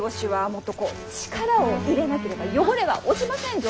もっとこう力を入れなければ汚れは落ちませんぞ。